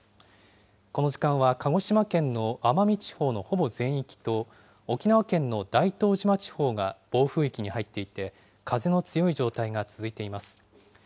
この時間は鹿児島県の奄美地方のほぼ全域と沖縄県の大東島地方が暴風域に入っていて、風の強い状態が続いています。